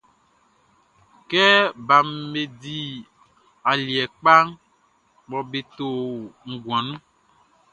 Kɛ baʼm be di aliɛ kpa mɔ be te o nguan nunʼn.